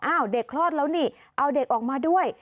เด็กคลอดแล้วนี่เอาเด็กออกมาด้วย